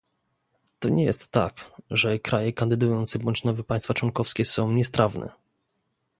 To nie jest tak, że kraje kandydujące bądź nowe państwa członkowskie są niestrawne